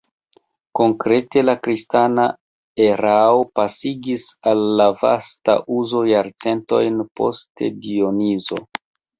Konkrete la kristana erao pasigis al la vasta uzo jarcentojn post Dionizo.